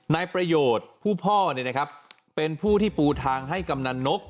นายประโยชน์ผู้พ่อเนี่ยนะครับเป็นผู้ที่ปูทางให้กำนันนก